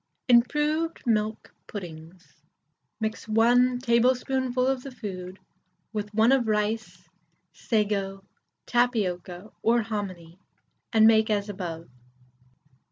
IMPROVED MILK PUDDINGS. Mix 1 tablespoonful of the food with 1 of rice, sago, tapioca, or hominy, and make as above.